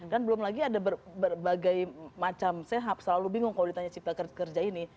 dan belum lagi ada berbagai macam sehab selalu bingung ketika ditanya pada reu cipta kerja ini